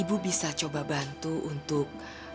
ibu bisa coba bantu untuk